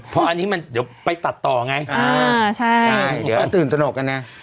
เพราะอันนี้มันเดี๋ยวไปตัดต่อไงอ่าใช่เดี๋ยวตื่นตนกกันนะ